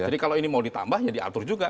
jadi kalau ini mau ditambah jadi diatur juga